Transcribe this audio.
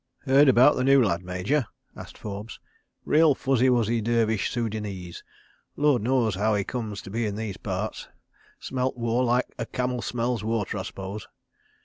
... "Heard about the new lad, Major?" asked Forbes. "Real fuzzy wuzzy dervish Soudanese. Lord knows how he comes to be in these parts. Smelt war like a camel smells water, I suppose.